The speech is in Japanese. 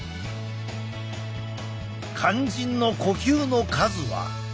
肝心の呼吸の数は。